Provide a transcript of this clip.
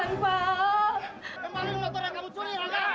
kembali dulu dokter yang kamu curi rangga